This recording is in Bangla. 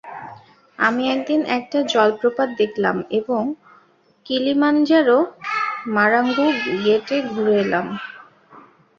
আমি একদিন একটা জলপ্রপাত দেখলাম এবং কিলিমানজারো মারাংগু গেটে ঘুরে এলাম।